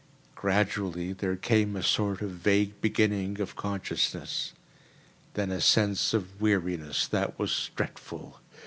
Gradually there came a sort of vague beginning of consciousness; then a sense of weariness that was dreadful.